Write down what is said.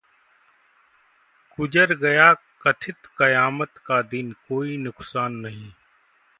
गुजर गया कथित कयामत का दिन, कोई नुकसान नहीं